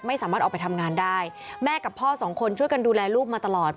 ไม่สามารถออกไปทำงานได้แม่กับพ่อสองคนช่วยกันดูแลลูกมาตลอด